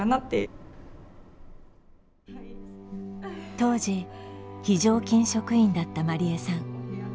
当時非常勤職員だったまりえさん。